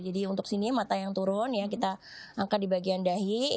untuk sini mata yang turun ya kita angkat di bagian dahi